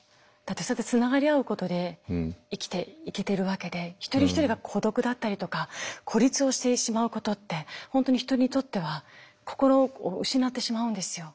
そうやってつながり合うことで生きていけてるわけで一人一人が孤独だったりとか孤立をしてしまうことって本当に人にとっては心を失ってしまうんですよ。